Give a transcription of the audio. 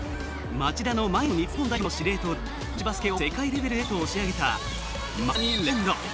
町田の前の日本代表の司令塔で女子バスケを世界レベルへと押し上げたまさにレジェンド！